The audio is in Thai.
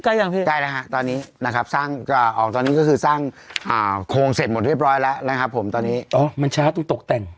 ไกลแล้วพี่ไกลแล้วฮะตอนนี้ก็คือสร้างโค้งเสร็จหมดเรียบร้อยแล้วมันช้าต้องตกแต่ง